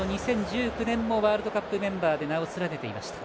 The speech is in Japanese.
２０１９年もワールドカップメンバーで名を連ねていました。